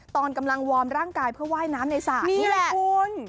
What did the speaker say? ตอนกำลังวอร์มร่างกายเพื่อว่ายน้ำในสระนี่แหละคุณ